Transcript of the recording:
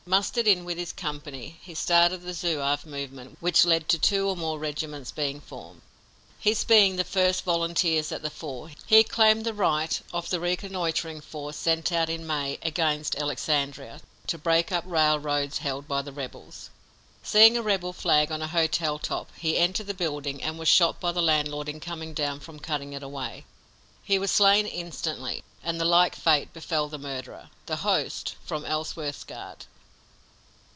Mustered in with his company, he started the Zouave movement which led to two or more regiments being formed. His being the first volunteers at the fore, he claimed the right of the reconnoitering force sent out in May, against Alexandria, to break up railroads held by the rebels. Seeing a rebel flag on a hotel top, he entered the building, and was shot by the landlord in coming down from cutting it away. He was slain instantly, and the like fate befell the murderer, the host, from Ellsworth's guard.